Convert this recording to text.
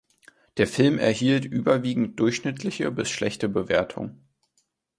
Der Film erhielt überwiegend durchschnittliche bis schlechte Bewertungen.